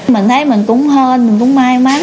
mình thấy mình cũng hên mình cũng may mắn